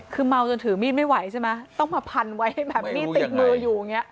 คือเมาจนถือมีดไม่ไหวใช่ไหมต้องมาพันไว้แบบมีดติดมืออยู่อย่างเงี้